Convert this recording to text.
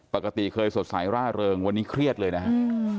ปกติเคยสดใสร่าเริงวันนี้เครียดเลยนะครับ